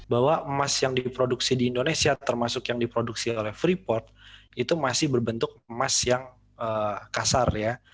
bahwa emas yang diproduksi di indonesia termasuk yang diproduksi oleh freeport itu masih berbentuk emas yang kasar ya